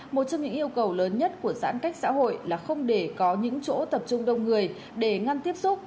một trong những yêu cầu lớn nhất của giãn cách xã hội là không để có những chỗ tập trung đông người để ngăn tiếp xúc